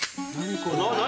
何？